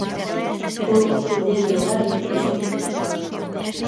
O "suburbio agrario", por exemplo.